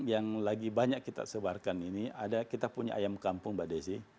yang lagi banyak kita sebarkan ini ada kita punya ayam kampung mbak desi